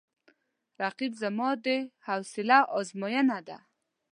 رقیب زما د حوصله آزموینه ده